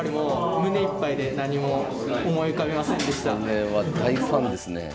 これは大ファンですね。